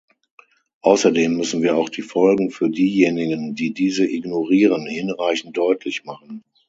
Außerdem müssen wir auch die Folgen für diejenigen, die diese ignorieren, hinreichend deutlich machen.